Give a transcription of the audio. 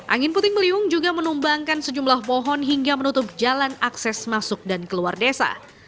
angin puting beliung juga menumbangkan sejumlah pohon hingga menutup jalan akses masuk dan keluar desa